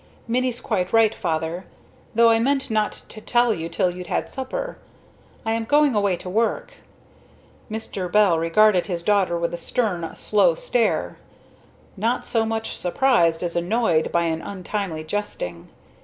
"Minnie's quite right, Father, though I meant not to tell you till you'd had supper. I am going away to work." Mr. Bell regarded his daughter with a stern, slow stare; not so much surprised as annoyed by an untimely jesting.